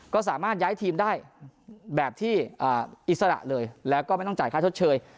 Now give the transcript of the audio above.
ก็สามารถย้ายทีมได้แบบที่อิสระเลยแล้วก็ไม่ต้องจ่ายค่าชดเชย